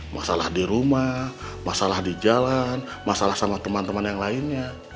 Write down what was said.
masalah di rumah masalah di jalan masalah sama teman teman yang lainnya